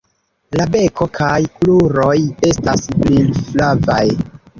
La beko kaj kruroj estas brilflavaj.